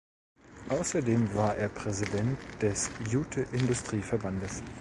Außerdem war er Präsident des Jute-Industrieverbandes.